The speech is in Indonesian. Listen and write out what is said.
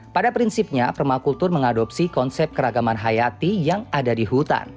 pada prinsipnya permakultur mengadopsi konsep keragaman hayati yang ada di hutan